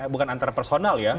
bukan antara personal ya